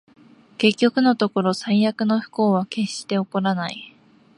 結局のところ、最悪の不幸は決して起こらない